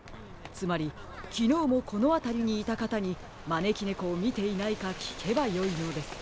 つまりきのうもこのあたりにいたかたにまねきねこをみていないかきけばよいのです。